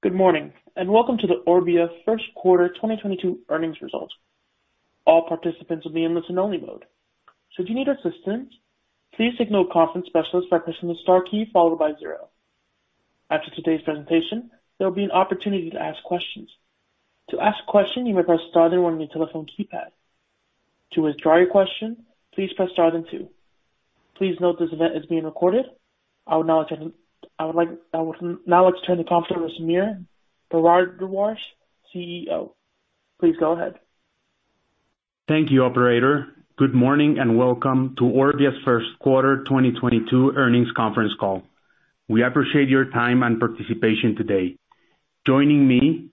Good morning, and welcome to the Orbia first quarter 2022 earnings results. All participants will be in listen-only mode. If you need assistance, please signal a conference specialist by pressing the star key followed by zero. After today's presentation, there'll be an opportunity to ask questions. To ask a question, you may press star then one on your telephone keypad. To withdraw your question, please press star then two. Please note this event is being recorded. I would now like to turn the conference to Sameer Bharadwaj, CEO. Please go ahead. Thank you, operator. Good morning, and welcome to Orbia's first quarter 2022 earnings conference call. We appreciate your time and participation today. Joining me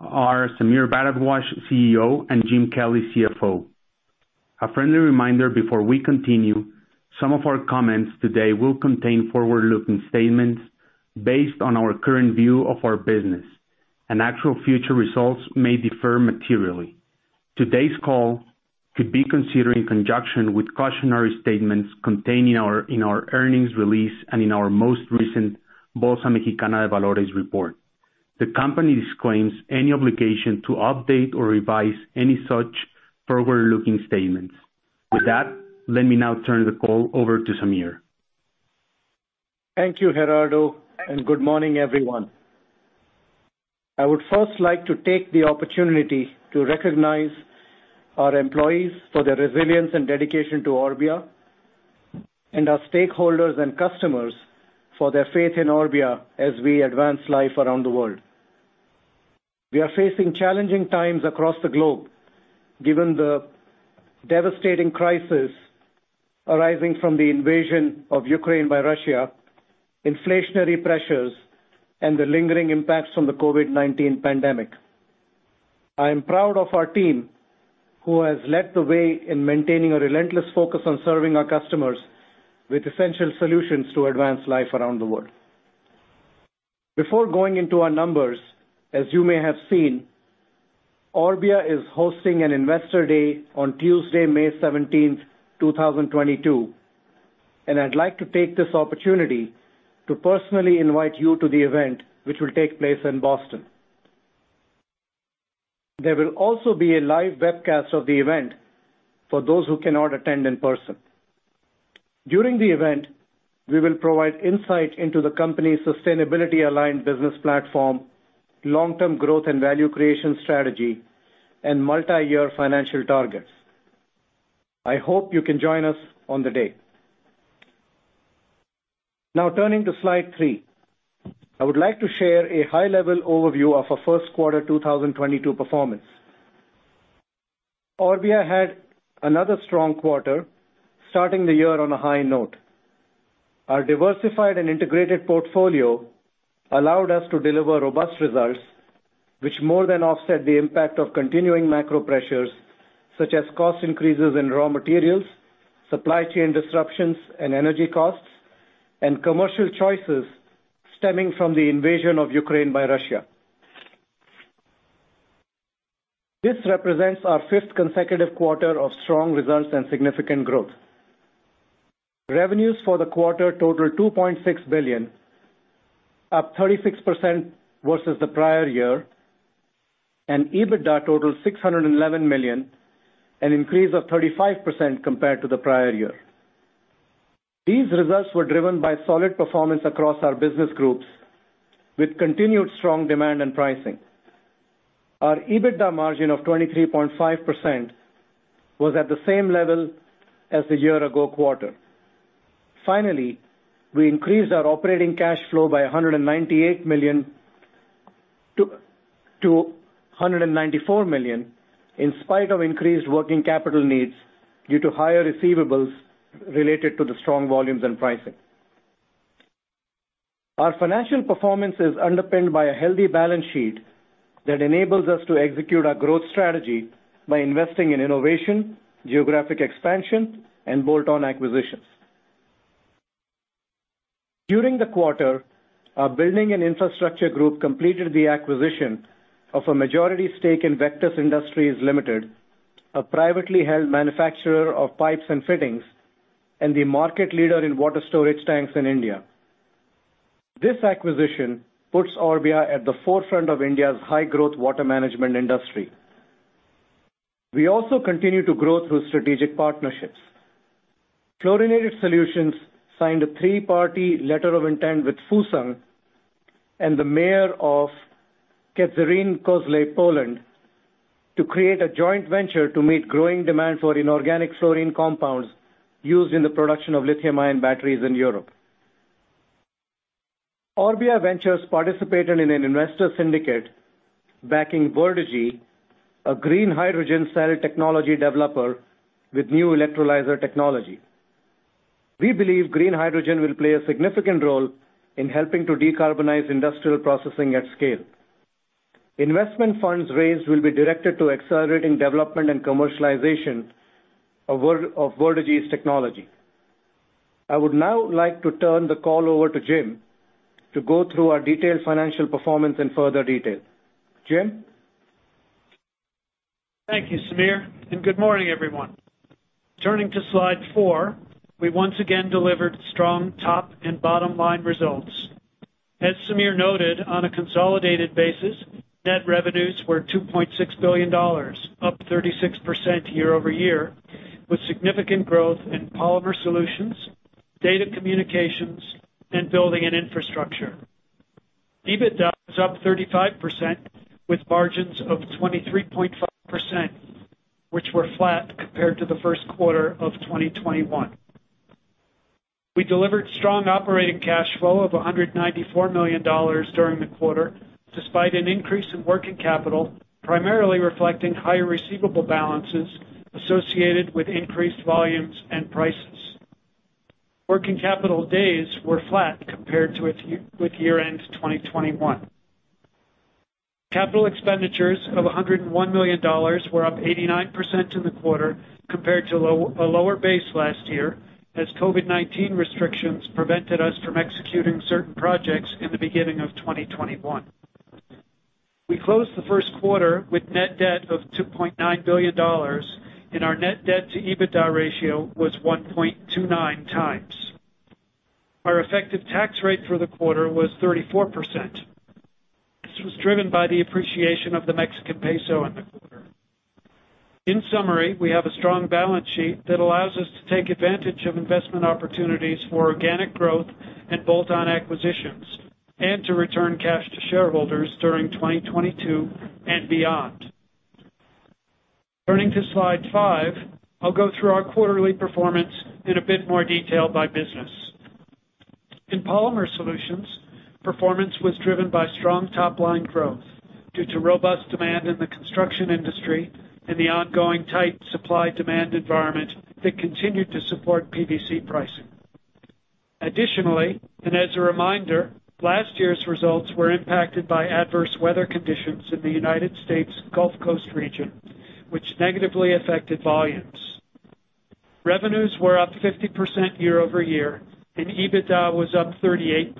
are Sameer Bharadwaj, CEO, and Jim Kelly, CFO. A friendly reminder before we continue, some of our comments today will contain forward-looking statements based on our current view of our business and actual future results may differ materially. Today's call should be considered in conjunction with cautionary statements contained in our earnings release and in our most recent Bolsa Mexicana de Valores report. The company disclaims any obligation to update or revise any such forward-looking statements. With that, let me now turn the call over to Sameer. Thank you, Gerardo, and good morning, everyone. I would first like to take the opportunity to recognize our employees for their resilience and dedication to Orbia and our stakeholders and customers for their faith in Orbia as we advance life around the world. We are facing challenging times across the globe given the devastating crisis arising from the invasion of Ukraine by Russia, inflationary pressures, and the lingering impacts from the COVID-19 pandemic. I am proud of our team, who has led the way in maintaining a relentless focus on serving our customers with essential solutions to advance life around the world. Before going into our numbers, as you may have seen, Orbia is hosting an investor day on Tuesday, May 17, 2022, and I'd like to take this opportunity to personally invite you to the event, which will take place in Boston. There will also be a live webcast of the event for those who cannot attend in person. During the event, we will provide insight into the company's sustainability-aligned business platform, long-term growth and value creation strategy, and multi-year financial targets. I hope you can join us on the day. Now, turning to slide three. I would like to share a high-level overview of our first quarter 2022 performance. Orbia had another strong quarter, starting the year on a high note. Our diversified and integrated portfolio allowed us to deliver robust results, which more than offset the impact of continuing macro pressures, such as cost increases in raw materials, supply chain disruptions and energy costs, and commercial choices stemming from the invasion of Ukraine by Russia. This represents our fifth consecutive quarter of strong results and significant growth. Revenues for the quarter totaled 2.6 billion, up 36% versus the prior year, and EBITDA totaled 611 million, an increase of 35% compared to the prior year. These results were driven by solid performance across our business groups with continued strong demand and pricing. Our EBITDA margin of 23.5% was at the same level as the year ago quarter. Finally, we increased our operating cash flow by 198 million to 194 million, in spite of increased working capital needs due to higher receivables related to the strong volumes and pricing. Our financial performance is underpinned by a healthy balance sheet that enables us to execute our growth strategy by investing in innovation, geographic expansion, and bolt-on acquisitions. During the quarter, our Building and Infrastructure group completed the acquisition of a majority stake in Vectus Industries Limited, a privately held manufacturer of pipes and fittings and the market leader in water storage tanks in India. This acquisition puts Orbia at the forefront of India's high-growth water management industry. We also continue to grow through strategic partnerships. Fluorinated Solutions signed a three-party letter of intent with Foosung and the mayor of Kędzierzyn-Koźle, Poland, to create a joint venture to meet growing demand for inorganic fluorine compounds used in the production of lithium-ion batteries in Europe. Orbia Ventures participated in an investor syndicate backing Verdagy, a green hydrogen-styled technology developer with new electrolyzer technology. We believe green hydrogen will play a significant role in helping to decarbonize industrial processing at scale. Investment funds raised will be directed to accelerating development and commercialization of Verdagy's technology. I would now like to turn the call over to Jim to go through our detailed financial performance in further detail. Jim? Thank you, Sameer, and good morning, everyone. Turning to slide four, we once again delivered strong top and bottom-line results. As Sameer noted, on a consolidated basis, net revenues were $2.6 billion, up 36% year-over-year, with significant growth in Polymer Solutions, Data Communications, and Building and Infrastructure. EBITDA is up 35% with margins of 23.5%, which were flat compared to the first quarter of 2021. We delivered strong operating cash flow of $194 million during the quarter, despite an increase in working capital, primarily reflecting higher receivable balances associated with increased volumes and prices. Working capital days were flat compared to year-end 2021. Capital expenditures of $101 million were up 89% in the quarter compared to a lower base last year, as COVID-19 restrictions prevented us from executing certain projects in the beginning of 2021. We closed the first quarter with net debt of $2.9 billion, and our net debt to EBITDA ratio was 1.29x. Our effective tax rate for the quarter was 34%. This was driven by the appreciation of the Mexican peso in the quarter. In summary, we have a strong balance sheet that allows us to take advantage of investment opportunities for organic growth and bolt-on acquisitions, and to return cash to shareholders during 2022 and beyond. Turning to slide five, I'll go through our quarterly performance in a bit more detail by business. In Polymer Solutions, performance was driven by strong top-line growth due to robust demand in the construction industry and the ongoing tight supply-demand environment that continued to support PVC pricing. Additionally, and as a reminder, last year's results were impacted by adverse weather conditions in the United States Gulf Coast region, which negatively affected volumes. Revenues were up 50% year-over-year, and EBITDA was up 38%.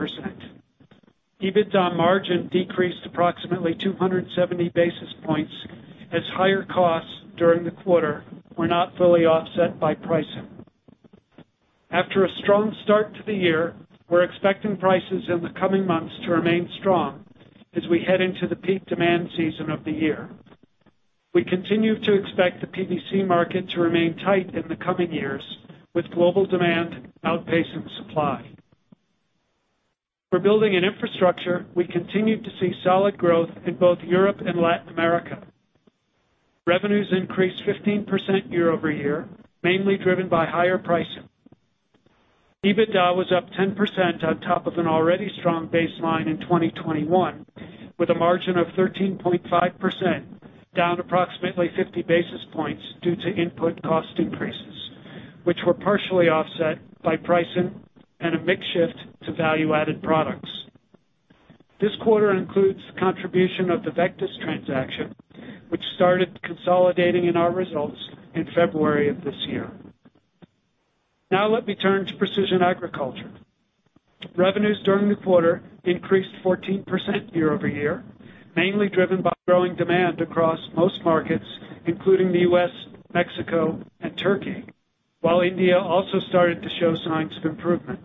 EBITDA margin decreased approximately 270 basis points, as higher costs during the quarter were not fully offset by pricing. After a strong start to the year, we're expecting prices in the coming months to remain strong as we head into the peak demand season of the year. We continue to expect the PVC market to remain tight in the coming years, with global demand outpacing supply. For Building and Infrastructure, we continued to see solid growth in both Europe and Latin America. Revenues increased 15% year-over-year, mainly driven by higher pricing. EBITDA was up 10% on top of an already strong baseline in 2021, with a margin of 13.5%, down approximately 50 basis points due to input cost increases, which were partially offset by pricing and a mix shift to value-added products. This quarter includes the contribution of the Vectus transaction, which started consolidating in our results in February of this year. Now let me turn to Precision Agriculture. Revenues during the quarter increased 14% year-over-year, mainly driven by growing demand across most markets, including the U.S., Mexico, and Turkey, while India also started to show signs of improvement.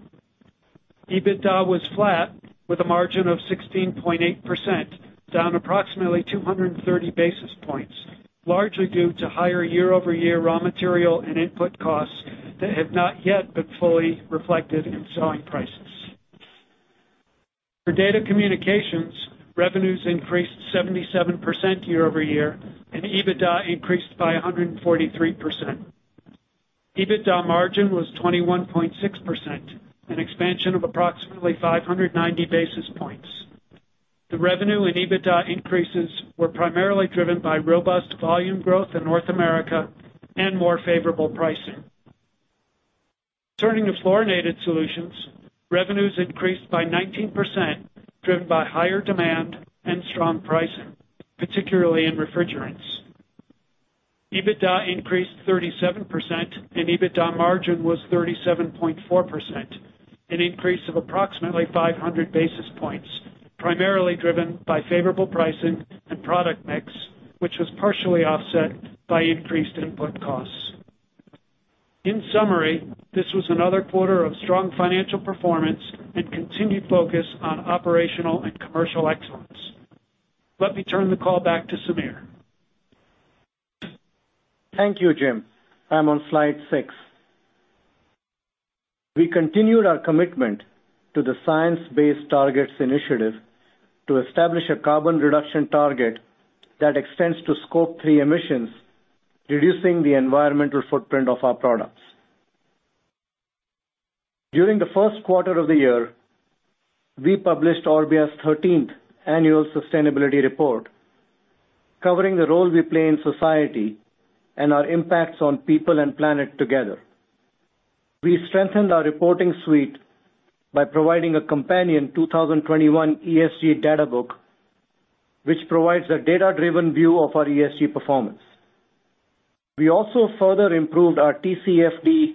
EBITDA was flat with a margin of 16.8%, down approximately 230 basis points, largely due to higher year-over-year raw material and input costs that have not yet been fully reflected in selling prices. For Data Communications, revenues increased 77% year over year, and EBITDA increased by 143%. EBITDA margin was 21.6%, an expansion of approximately 590 basis points. The revenue and EBITDA increases were primarily driven by robust volume growth in North America and more favorable pricing. Turning to Fluorinated Solutions, revenues increased by 19%, driven by higher demand and strong pricing, particularly in refrigerants. EBITDA increased 37%, and EBITDA margin was 37.4%, an increase of approximately 500 basis points, primarily driven by favorable pricing and product mix, which was partially offset by increased input costs. In summary, this was another quarter of strong financial performance and continued focus on operational and commercial excellence. Let me turn the call back to Sameer. Thank you, Jim. I'm on slide six. We continued our commitment to the Science-Based Targets Initiative to establish a carbon reduction target that extends to Scope 3 emissions, reducing the environmental footprint of our products. During the first quarter of the year, we published Orbia's thirteenth Annual Sustainability Report, covering the role we play in society and our impacts on people and planet together. We strengthened our reporting suite by providing a companion 2021 ESG data book, which provides a data-driven view of our ESG performance. We also further improved our TCFD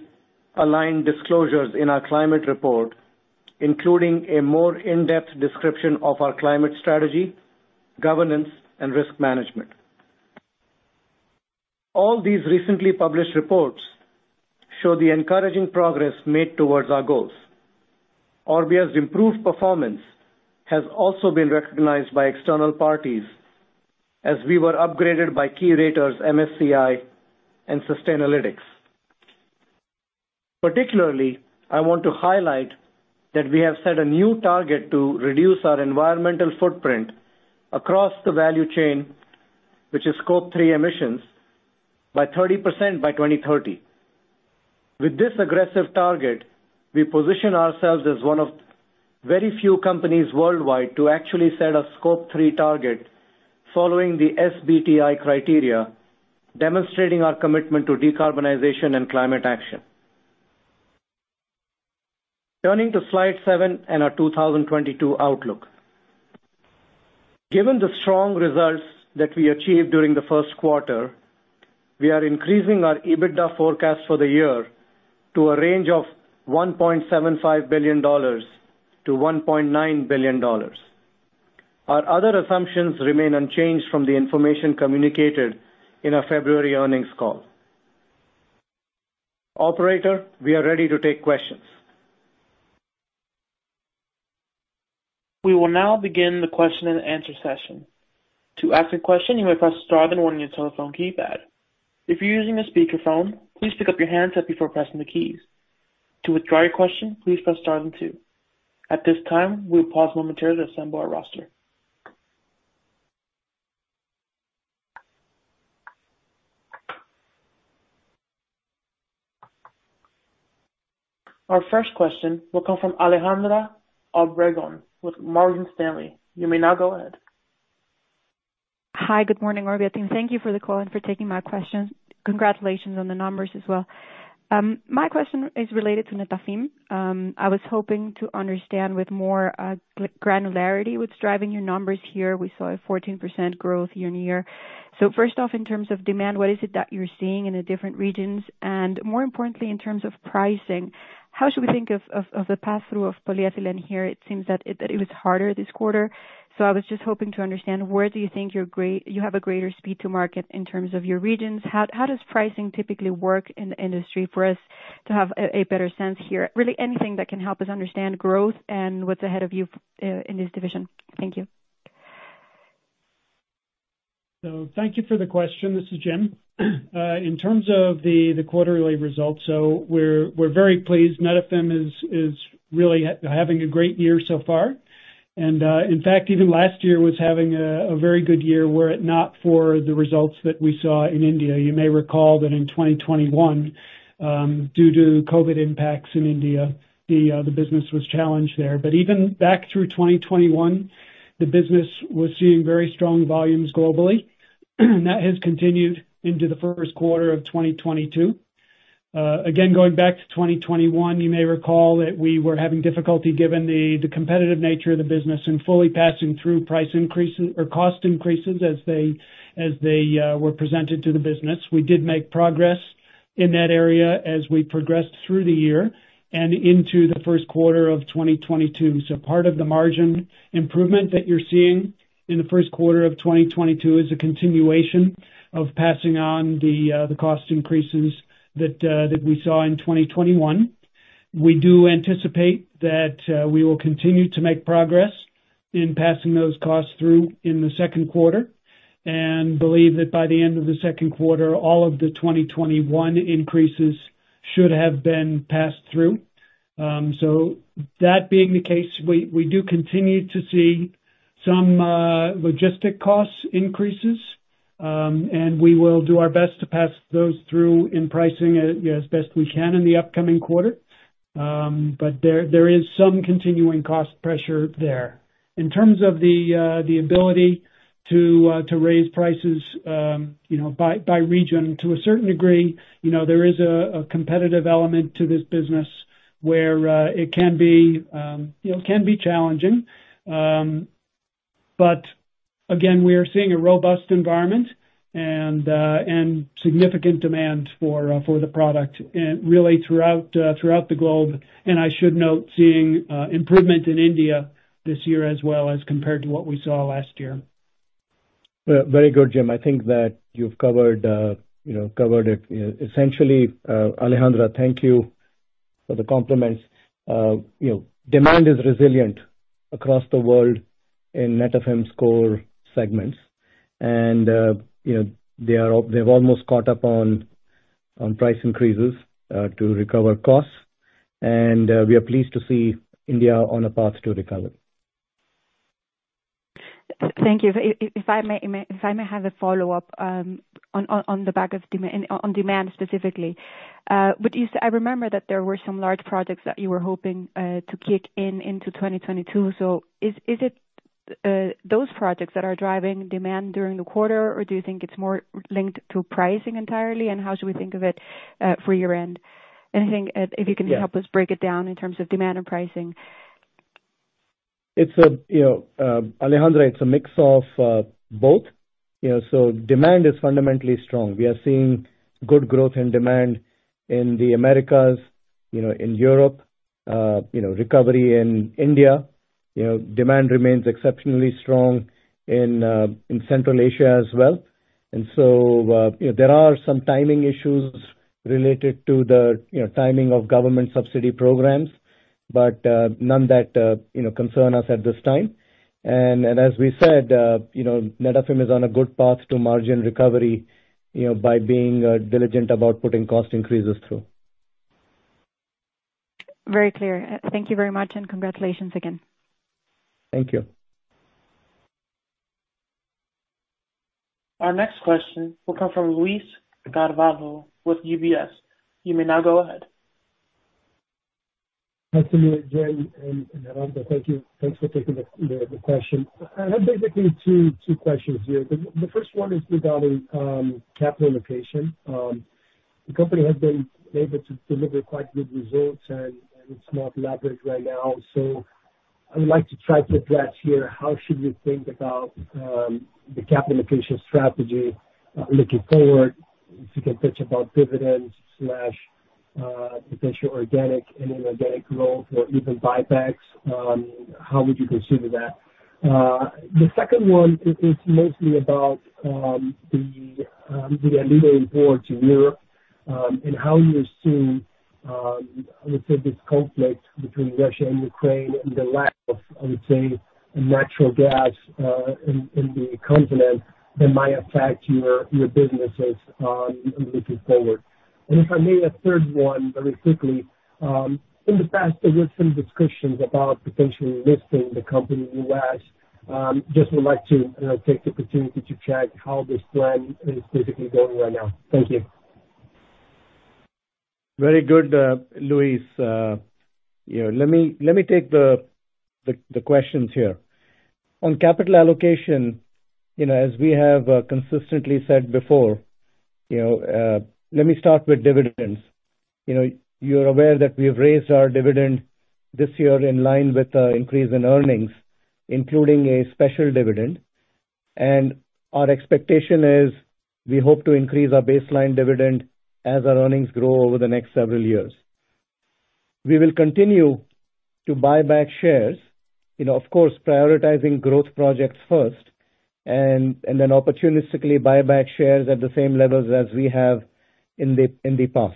aligned disclosures in our climate report, including a more in-depth description of our climate strategy, governance, and risk management. All these recently published reports show the encouraging progress made towards our goals. Orbia's improved performance has also been recognized by external parties as we were upgraded by key raters MSCI and Sustainalytics. Particularly, I want to highlight that we have set a new target to reduce our environmental footprint across the value chain, which is Scope 3 emissions, by 30% by 2030. With this aggressive target, we position ourselves as one of very few companies worldwide to actually set a Scope 3 target following the SBTI criteria, demonstrating our commitment to decarbonization and climate action. Turning to slide seven and our 2022 outlook. Given the strong results that we achieved during the first quarter, we are increasing our EBITDA forecast for the year to a range of $1.75 billion-$1.9 billion. Our other assumptions remain unchanged from the information communicated in our February earnings call. Operator, we are ready to take questions. We will now begin the question and answer session. To ask a question, you may press star then one on your telephone keypad. If you're using a speakerphone, please pick up your handset before pressing the keys. To withdraw your question, please press star then two. At this time, we will pause momentarily to assemble our roster. Our first question will come from Alejandra Obregón with Morgan Stanley. You may now go ahead. Hi. Good morning, Orbia. Thank you for the call and for taking my question. Congratulations on the numbers as well. My question is related to Netafim. I was hoping to understand with more granularity what's driving your numbers here. We saw a 14% growth year-over-year. First off, in terms of demand, what is it that you're seeing in the different regions? More importantly, in terms of pricing, how should we think of the passthrough of polyethylene here? It seems that it was harder this quarter. I was just hoping to understand where do you think you have a greater speed to market in terms of your regions? How does pricing typically work in the industry for us to have a better sense here? Really anything that can help us understand growth and what's ahead of you in this division? Thank you. Thank you for the question. This is Jim. In terms of the quarterly results, we're very pleased. Netafim is really having a great year so far. In fact, even last year was having a very good year were it not for the results that we saw in India. You may recall that in 2021, due to COVID impacts in India, the business was challenged there. Even back through 2021, the business was seeing very strong volumes globally, and that has continued into the first quarter of 2022. Again, going back to 2021, you may recall that we were having difficulty given the competitive nature of the business in fully passing through price increases or cost increases as they were presented to the business. We did make progress in that area as we progressed through the year and into the first quarter of 2022. Part of the margin improvement that you're seeing in the first quarter of 2022 is a continuation of passing on the cost increases that we saw in 2021. We do anticipate that we will continue to make progress in passing those costs through in the second quarter, and believe that by the end of the second quarter, all of the 2021 increases should have been passed through. That being the case, we do continue to see some logistic cost increases, and we will do our best to pass those through in pricing as best we can in the upcoming quarter. There is some continuing cost pressure there. In terms of the ability to raise prices, you know, by region to a certain degree, you know, there is a competitive element to this business where it can be challenging. Again, we are seeing a robust environment and significant demand for the product and really throughout the globe, and I should note seeing improvement in India this year as well as compared to what we saw last year. Very good, Jim. I think that you've covered it essentially. Alejandra, thank you for the compliments. Demand is resilient across the world in Netafim's core segments. They've almost caught up on price increases to recover costs. We are pleased to see India on a path to recovery. Thank you. If I may have a follow-up on the back of demand specifically. I remember that there were some large projects that you were hoping to kick in into 2022. Is it those projects that are driving demand during the quarter, or do you think it's more linked to pricing entirely, and how should we think of it from your end? Anything if you can help us break it down in terms of demand and pricing. It's a, you know, Alejandra, it's a mix of both. You know, demand is fundamentally strong. We are seeing good growth in demand in the Americas, you know, in Europe, recovery in India. You know, demand remains exceptionally strong in Central Asia as well. There are some timing issues related to the timing of government subsidy programs, but none that concern us at this time. As we said, Netafim is on a good path to margin recovery, you know, by being diligent about putting cost increases through. Very clear. Thank you very much, and congratulations again. Thank you. Our next question will come from Luiz Carvalho with UBS. You may now go ahead. Hi, Sameer Bharadwaj, Jim Kelly, and Alejandra Obregon. Thank you. Thanks for taking the question. I have basically two questions here. The first one is regarding capital allocation. The company has been able to deliver quite good results, and it's not elaborate right now. I would like to try to address here how we should think about the capital allocation strategy looking forward. If you can touch about dividends slash potential organic and inorganic growth or even buybacks, how would you consider that? The second one is mostly about the illegal imports in Europe, and how you assume, let's say this conflict between Russia and Ukraine and the lack of, I would say, natural gas in the continent that might affect your businesses looking forward. If I may, a third one very quickly. In the past, there were some discussions about potentially listing the company in the U.S. Just would like to take the opportunity to check how this plan is basically going right now. Thank you. Very good, Luiz. You know, let me take the questions here. On capital allocation, you know, as we have consistently said before, you know, let me start with dividends. You know, you're aware that we have raised our dividend this year in line with the increase in earnings, including a special dividend. Our expectation is we hope to increase our baseline dividend as our earnings grow over the next several years. We will continue to buy back shares, you know, of course, prioritizing growth projects first and then opportunistically buy back shares at the same levels as we have in the past.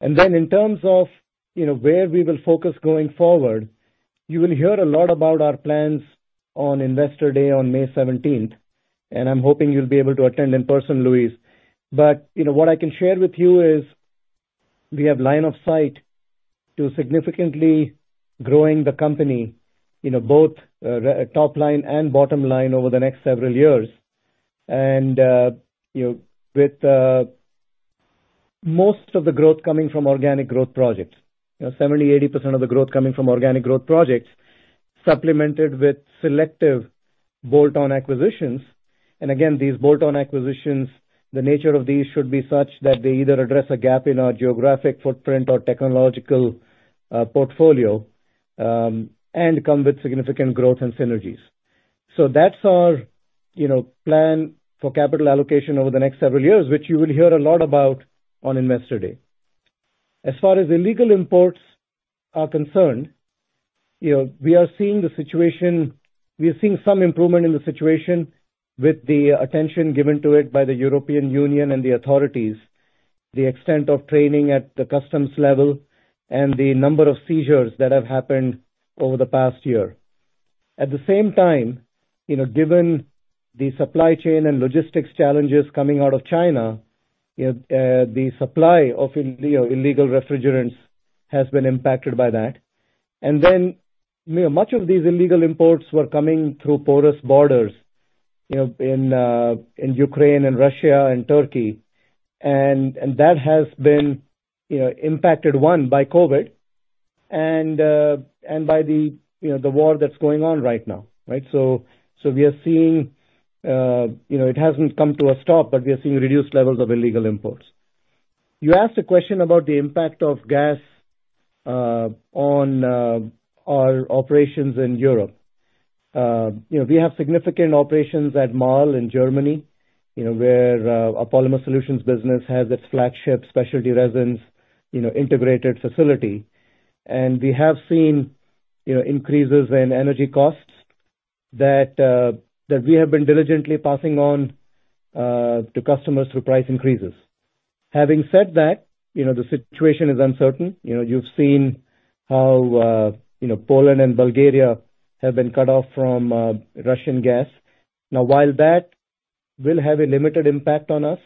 In terms of, you know, where we will focus going forward, you will hear a lot about our plans on Investor Day on May seventeenth, and I'm hoping you'll be able to attend in person, Luiz. You know, what I can share with you is we have line of sight to significantly growing the company in both top line and bottom line over the next several years. You know, with most of the growth coming from organic growth projects. You know, 70%-80% of the growth coming from organic growth projects supplemented with selective bolt-on acquisitions. Again, these bolt-on acquisitions, the nature of these should be such that they either address a gap in our geographic footprint or technological portfolio, and come with significant growth and synergies. That's our, you know, plan for capital allocation over the next several years, which you will hear a lot about on Investor Day. As far as illegal imports are concerned, you know, we are seeing some improvement in the situation with the attention given to it by the European Union and the authorities, the extent of training at the customs level and the number of seizures that have happened over the past year. At the same time, you know, given the supply chain and logistics challenges coming out of China, you know, the supply of illegal refrigerants has been impacted by that. Then, you know, much of these illegal imports were coming through porous borders, you know, in Ukraine and Russia and Turkey. That has been, you know, impacted by COVID and by the, you know, the war that's going on right now, right? We are seeing, you know, it hasn't come to a stop, but we are seeing reduced levels of illegal imports. You asked a question about the impact of gas on our operations in Europe. You know, we have significant operations at Marl in Germany, you know, where our Polymer Solutions business has its flagship specialty resins, you know, integrated facility. We have seen, you know, increases in energy costs that we have been diligently passing on to customers through price increases. Having said that, you know, the situation is uncertain. You know, you've seen how, you know, Poland and Bulgaria have been cut off from Russian gas. Now, while that will have a limited impact on us,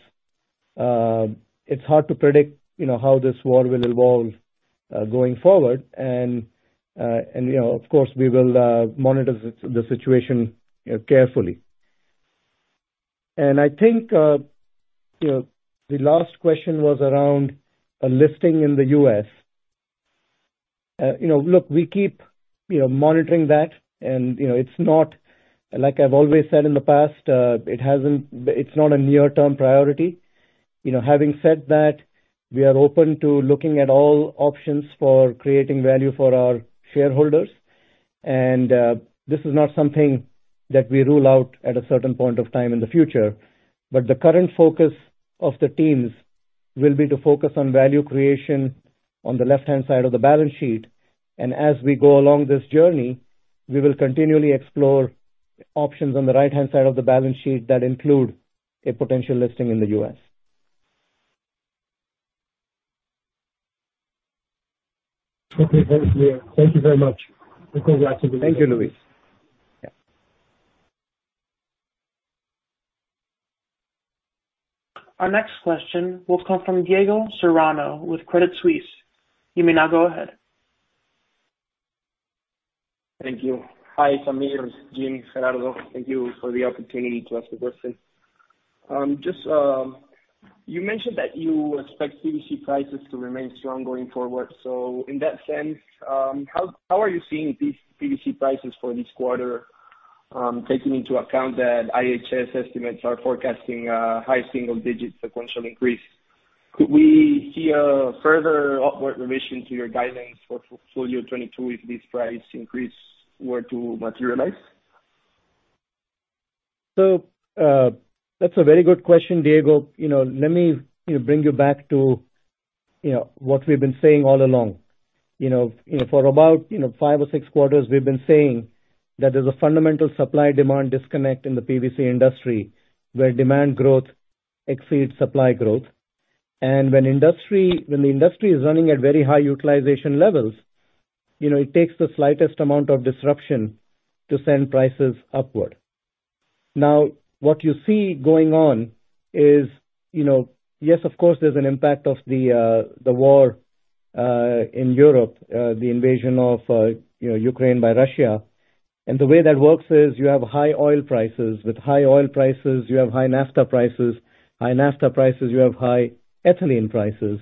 it's hard to predict, you know, how this war will evolve going forward. You know, of course, we will monitor the situation you know carefully. I think, you know, the last question was around a listing in the U.S. You know, look, we keep you know monitoring that and, you know, it's not, like I've always said in the past, it hasn't, it's not a near-term priority. You know, having said that, we are open to looking at all options for creating value for our shareholders. This is not something that we rule out at a certain point of time in the future, but the current focus of the teams will be to focus on value creation on the left-hand side of the balance sheet. As we go along this journey, we will continually explore options on the right-hand side of the balance sheet that include a potential listing in the U.S. Okay. Very clear. Thank you very much. Thank you, Luiz. Yeah. Our next question will come from Diego Serrano with Credit Suisse. You may now go ahead. Thank you. Hi, Sameer, Jim, Gerardo. Thank you for the opportunity to ask the question. Just, you mentioned that you expect PVC prices to remain strong going forward. In that sense, how are you seeing these PVC prices for this quarter, taking into account that IHS estimates are forecasting a high single digit sequential increase? Could we see a further upward revision to your guidance for full year 2022 if this price increase were to materialize? That's a very good question, Diego. You know, let me, you know, bring you back to, you know, what we've been saying all along. You know, for about five or six quarters we've been saying that there's a fundamental supply-demand disconnect in the PVC industry where demand growth exceeds supply growth. When the industry is running at very high utilization levels, you know, it takes the slightest amount of disruption to send prices upward. Now, what you see going on is, you know. Yes, of course, there's an impact of the war in Europe, the invasion of Ukraine by Russia. The way that works is you have high oil prices. With high oil prices, you have highnaphtha prices. High naphthaprices, you have high Ethylene prices.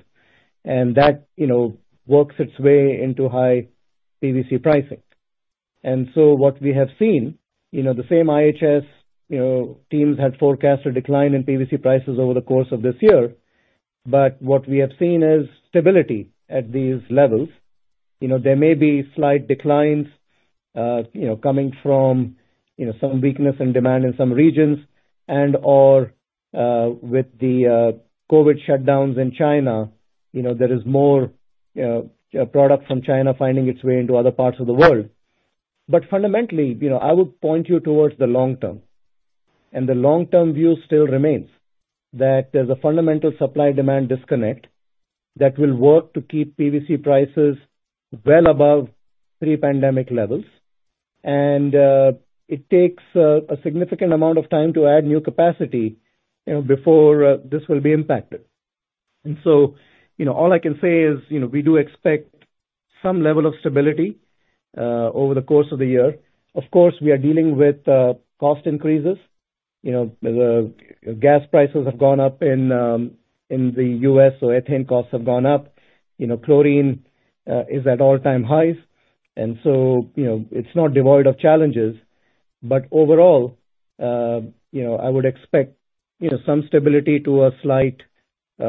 That, you know, works its way into high PVC pricing. What we have seen, you know, the same IHS, you know, teams had forecasted decline in PVC prices over the course of this year. What we have seen is stability at these levels. You know, there may be slight declines, you know, coming from, you know, some weakness in demand in some regions and/or with the COVID shutdowns in China. You know, there is more product from China finding its way into other parts of the world. Fundamentally, you know, I would point you towards the long term. The long-term view still remains that there's a fundamental supply-demand disconnect that will work to keep PVC prices well above pre-pandemic levels. It takes a significant amount of time to add new capacity, you know, before this will be impacted. You know, all I can say is, you know, we do expect some level of stability over the course of the year. Of course, we are dealing with cost increases. You know, the gas prices have gone up in the U.S., so ethane costs have gone up. You know, chlorine is at all-time highs. You know, it's not devoid of challenges. Overall, you know, I would expect, you know, some stability to a slight, you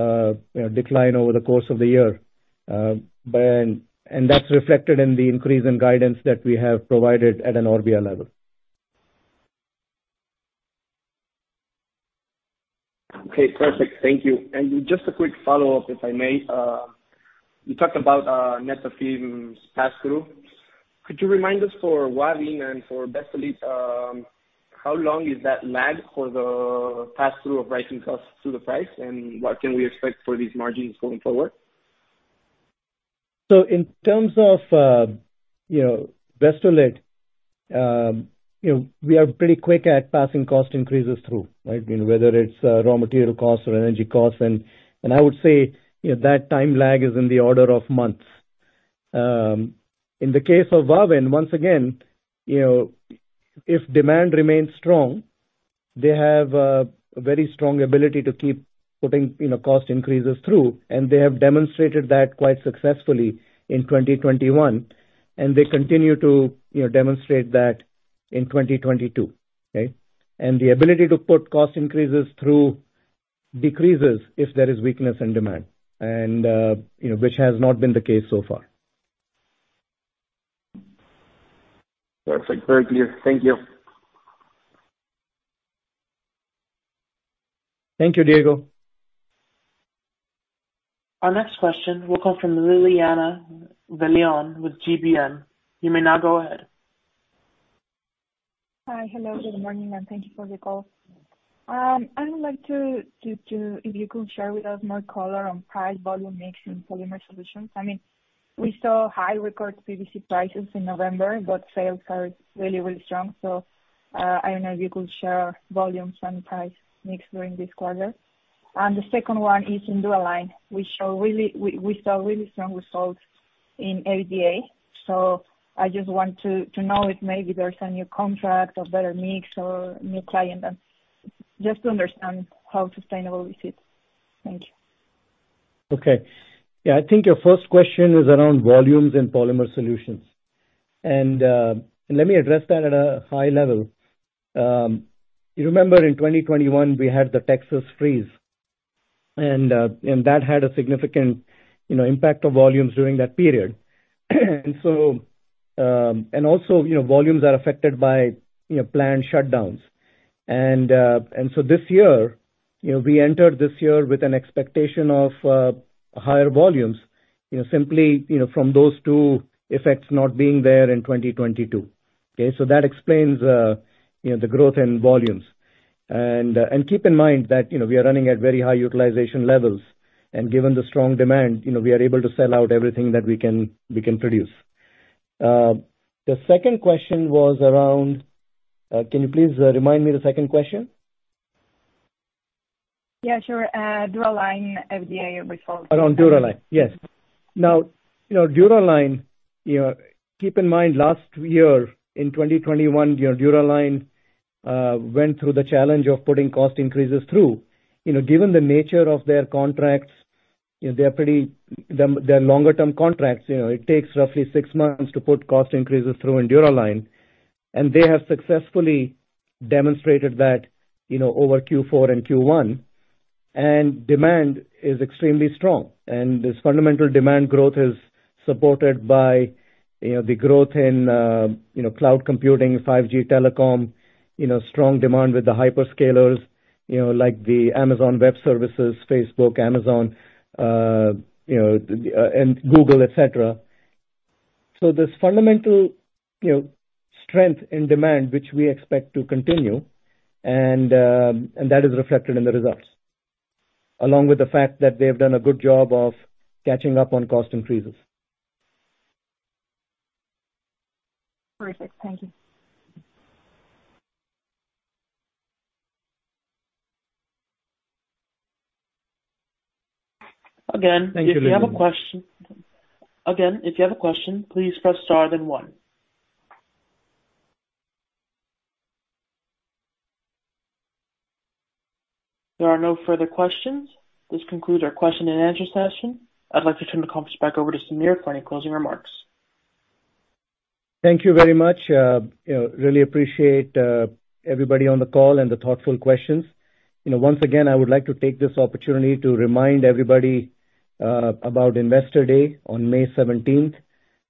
know, decline over the course of the year. That's reflected in the increase in guidance that we have provided at an Orbia level. Okay. Perfect. Thank you. Just a quick follow-up, if I may. You talked about Netafim's pass-through. Could you remind us for Wavin and for Vestolit, how long is that lag for the pass-through of rising costs to the price, and what can we expect for these margins going forward? In terms of, you know, Vestolit, you know, we are pretty quick at passing cost increases through, right? You know, whether it's raw material costs or energy costs. I would say, you know, that time lag is in the order of months. In the case of Wavin, once again, you know, if demand remains strong, they have a very strong ability to keep putting, you know, cost increases through, and they have demonstrated that quite successfully in 2021, and they continue to, you know, demonstrate that in 2022. Okay? The ability to put cost increases through decreases if there is weakness in demand and, you know, which has not been the case so far. Perfect. Very clear. Thank you. Thank you, Diego. Our next question will come from Liliana De León with GBM. You may now go ahead. Hi. Hello, good morning, and thank you for the call. I would like to. If you could share with us more color on price volume mix in Polymer Solutions. I mean, we saw high record PVC prices in November, but sales are really strong. I don't know if you could share volumes and price mix during this quarter. The second one is in Dura-Line. We saw really strong results in ADA, so I just want to know if maybe there's a new contract or better mix or new client and just to understand how sustainable is it. Thank you. Okay. Yeah, I think your first question is around volumes and Polymer Solutions. Let me address that at a high level. You remember in 2021, we had the Texas freeze, and that had a significant, you know, impact on volumes during that period. Volumes are affected by, you know, planned shutdowns. This year, we entered with an expectation of higher volumes, simply, you know, from those two effects not being there in 2022. Okay? That explains, you know, the growth in volumes. Keep in mind that, you know, we are running at very high utilization levels, and given the strong demand, you know, we are able to sell out everything that we can produce. Can you please remind me the second question? Yeah, sure. Dura-Line EBITDA results. Around Dura-Line. Yes. Now, you know, Dura-Line, you know, keep in mind, last year in 2021, you know, Dura-Line went through the challenge of putting cost increases through. You know, given the nature of their contracts, you know, they are pretty, they're longer term contracts, you know. It takes roughly six months to put cost increases through in Dura-Line, and they have successfully demonstrated that, you know, over Q4 and Q1. Demand is extremely strong. This fundamental demand growth is supported by, you know, the growth in, you know, cloud computing, 5G telecom, you know, strong demand with the hyperscalers, you know, like Amazon Web Services, Facebook, Amazon, you know, and Google, etc. This fundamental, you know, strength in demand, which we expect to continue and that is reflected in the results, along with the fact that they have done a good job of catching up on cost increases. Perfect. Thank you. Again- Thank you, Liliana. If you have a question. Again, if you have a question, please press Star then one. There are no further questions. This concludes our question and answer session. I'd like to turn the conference back over to Sameer for any closing remarks. Thank you very much. You know, really appreciate everybody on the call and the thoughtful questions. You know, once again, I would like to take this opportunity to remind everybody about Investor Day on May seventeenth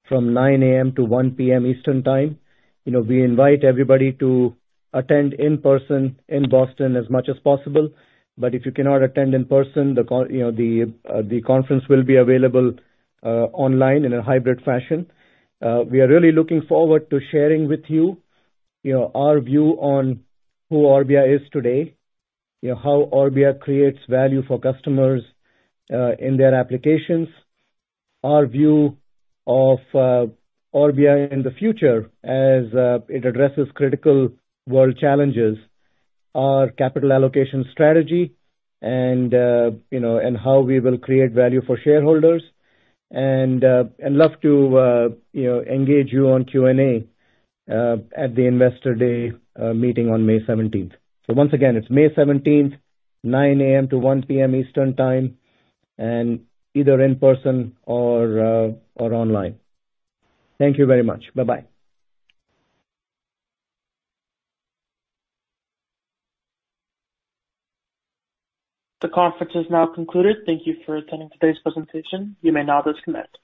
from 9:00 A.M. to 1:00 P.M. Eastern Time. You know, we invite everybody to attend in person in Boston as much as possible, but if you cannot attend in person, the conference will be available online in a hybrid fashion. We are really looking forward to sharing with you know, our view on who Orbia is today, you know, how Orbia creates value for customers in their applications, our view of Orbia in the future as it addresses critical world challenges, our capital allocation strategy, and, you know, how we will create value for shareholders. I'd love to, you know, engage you on Q&A at the Investor Day meeting on May seventeenth. Once again, it's May seventeenth, 9:00 A.M. to 1:00 P.M. Eastern Time, and either in person or online. Thank you very much. Bye-bye. The conference is now concluded. Thank you for attending today's presentation. You may now disconnect.